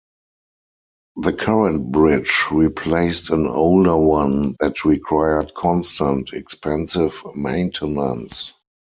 The current bridge replaced an older one that required constant, expensive maintenance.